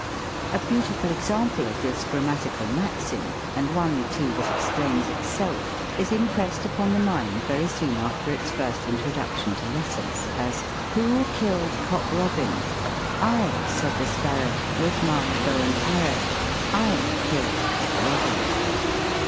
A beautiful example of this grammatical 80 THE COMIC ENGLISH GRAMMAR. maxim, and one, too, that explains itself, is impressed upon the mind very soon after its first introduction to Utters : as, " Who kiU'd Cock Robin ? I said the sparrow. With my bow and arrow j / kiird Cock Robin."